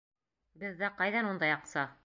Беҙҙә ҡайҙан ундай аҡса?